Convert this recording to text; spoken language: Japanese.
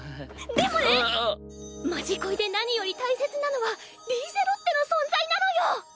でもね「まじこい」で何より大切なのはリーゼロッテの存在なのよ。